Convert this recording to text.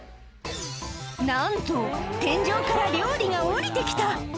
なんと、天井から料理が下りてきた。